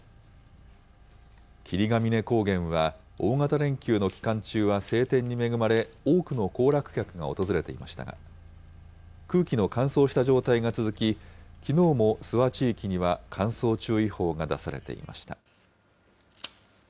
霧ヶ峰高原は、大型連休の期間中は晴天に恵まれ、多くの行楽客が訪れていましたが、空気の乾燥した状態が続き、きのうも諏訪地域には、乾燥注意報が出されていました。